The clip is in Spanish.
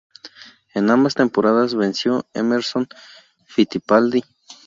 En ambas temporadas venció Emerson Fittipaldi.